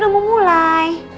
udah mau mulai